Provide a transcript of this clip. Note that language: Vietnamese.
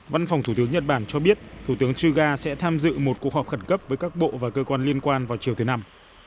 văn phòng thủ tướng nhật bản cho biết thủ tướng chuga sẽ tham dự một cuộc họp khẩn cấp với các bộ và cơ quan liên quan vào chiều thứ năm